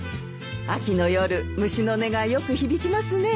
秋の夜虫の音がよく響きますね。